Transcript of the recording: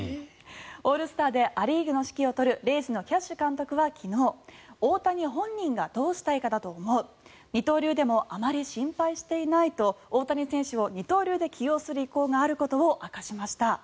オールスターでア・リーグの指揮を執るレイズのキャッシュ監督は昨日大谷本人がどうしたいかだと思う二刀流でもあまり心配していないと大谷選手を二刀流で起用する意向があることを明かしました。